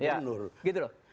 ahok itu berkuasa